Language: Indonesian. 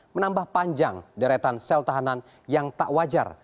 menambah panjang deretan sel tahanan yang tak wajar